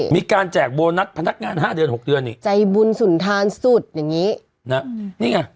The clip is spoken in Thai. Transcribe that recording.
แจกโบนัสพนักงาน๕เดือน๖เดือนนี่ใจบุญสุนทานสุดอย่างนี้นะนี่ไง